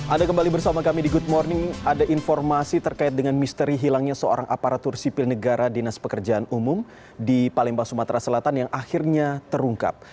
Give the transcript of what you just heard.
ada kembali bersama kami di good morning ada informasi terkait dengan misteri hilangnya seorang aparatur sipil negara dinas pekerjaan umum di palembang sumatera selatan yang akhirnya terungkap